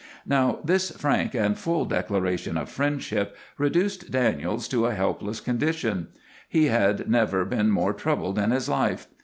Now, this frank and full declaration of friendship reduced Daniels to a helpless condition; he had never been more troubled in his life.